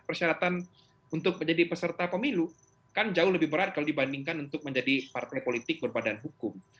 persyaratan untuk menjadi peserta pemilu kan jauh lebih berat kalau dibandingkan untuk menjadi partai politik berbadan hukum